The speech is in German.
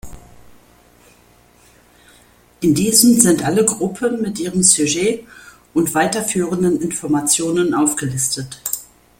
In Diesem sind alle Gruppen mit ihrem Sujet und weiterführenden Informationen aufgelistet.